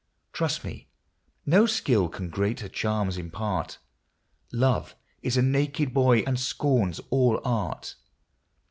Trust me, no skill can greater charms impart: Love is a naked boy and scorns all art.